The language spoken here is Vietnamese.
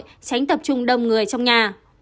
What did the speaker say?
tránh tập trung đông người trong nhà